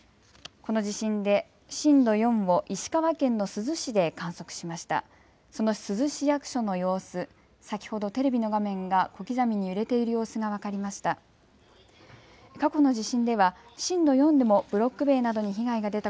この地震で震度４を石川県の珠洲市で観測しました。